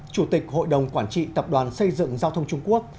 chủ tịch hội đồng quản trị tập đoàn xây dựng giao thông trung quốc